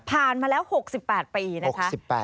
ผ่านมาแล้ว๖๘ปีนะคะ